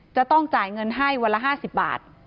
จะต้องจ่ายเงินให้วันละ๕๐บาท